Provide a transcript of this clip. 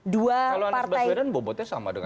dua kalau anies baswedan bobotnya sama dengan